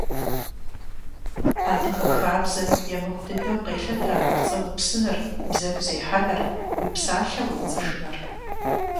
Адыгэ хабзэм емыкӀу дыдэу къелъытэ пцӀы упсыныр, бзэгу зехьэныр, уи псалъэ уепцӀыжыныр.